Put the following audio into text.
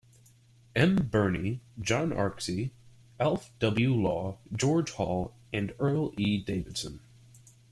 M. Birnie, John Arksey, Alf W. Law, George Hall and Earl E. Davidson.